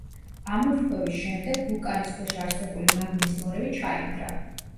ამოფრქვევის შემდეგ, ვულკანის ქვეშ არსებული მაგმის მორევი ჩაინგრა.